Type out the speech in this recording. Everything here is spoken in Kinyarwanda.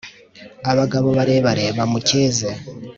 abagabo barebare bamukeze